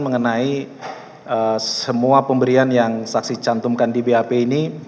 mengenai semua pemberian yang saksi cantumkan di bap ini